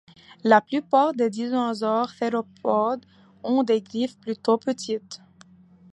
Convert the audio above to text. La plupart des dinosaures théropodes ont des griffes plutôt petites.